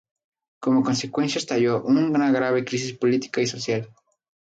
Como consecuencia estalló una grave crisis política y social.